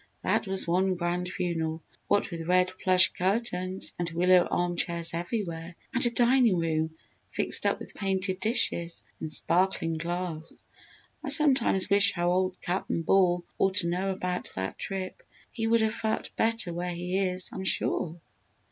That was one grand funeral what with red plush curtains and willow arm chairs everywhere! And a dining room fixed up with painted dishes and sparklin' glass! I sometimes wish how old Cap'n Ball oughter know about that trip he would have felt better where he is, I'm sure!"